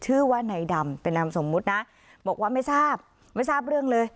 ชื่อว่านายดำเป็นนามสมมุตินะบอกว่าไม่ทราบไม่ทราบเรื่องเลย